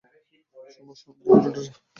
শুভ সন্ধ্যা, Eudora.